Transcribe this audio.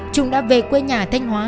trung đã về quê nhà thanh hóa